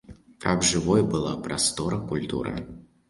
Каб жывой была прастора культуры.